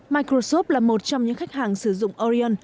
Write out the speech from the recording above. microsoft là một trong những khách hàng sử dụng orion